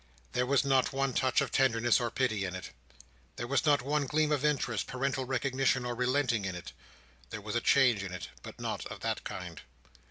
There was not one touch of tenderness or pity in it. There was not one gleam of interest, parental recognition, or relenting in it. There was a change in it, but not of that kind.